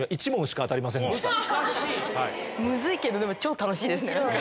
いけどでも超楽しいですね。